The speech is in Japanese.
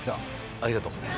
ありがとう。